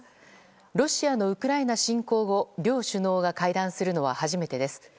ロシアのウクライナ侵攻後両首脳が会談するのは初めてです。